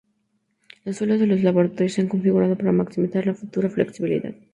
Los suelos de los laboratorios se han configurado para maximizar la futura flexibilidad.